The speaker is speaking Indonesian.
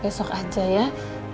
besok aja yaa